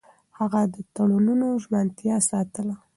هغه د تړونونو ژمنتيا ساتله.